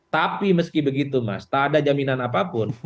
tapi meski begitu mas tak ada jaminan apapun